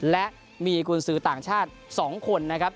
และมีกรุณสือต่างชาติ๒คน